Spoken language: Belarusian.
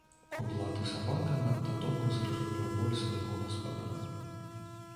Кудлаты сабака надта добра зразумеў боль свайго гаспадара.